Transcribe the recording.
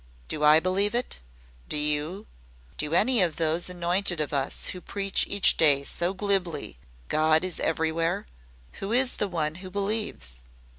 Do I believe it do you do any of those anointed of us who preach each day so glibly 'God is EVERYWHERE'? Who is the one who believes?